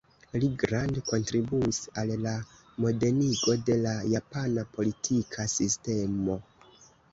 Li grande kontribuis al la modenigo de la japana politika sistemo.